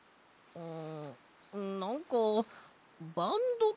うん。